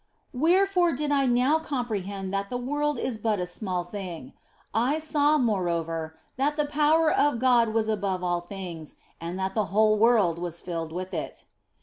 " Wherefore did I now comprehend that the world is but a small thing ; I saw, moreover, that the power of God was above all things, and that the whole world was filled with it.